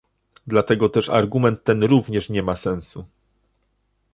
Dlatego też argument ten również nie ma sensu